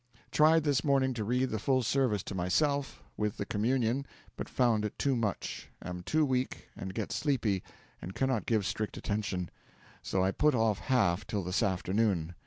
Tried this morning to read the full service to myself, with the Communion, but found it too much; am too weak, and get sleepy, and cannot give strict attention; so I put off half till this afternoon.